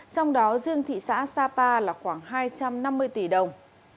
trong đó riêng thị xã sapa là khoảng hai trăm năm mươi tỷ đồng